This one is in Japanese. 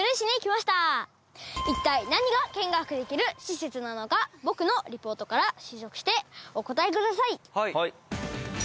一体何が見学できる施設なのか僕のリポートから推測してお答えください！